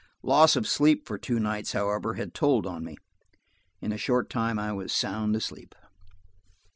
Loss of sleep for two nights, however, had told on me: in a short time I was sound asleep.